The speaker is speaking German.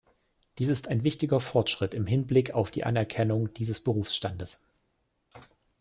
Dies ist ein wichtiger Fortschritt im Hinblick auf die Anerkennung dieses Berufsstandes.